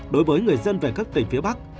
đối với người dân về các tỉnh phía bắc